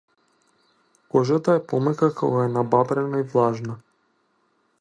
Кожата е помека кога е набабрена и влажна.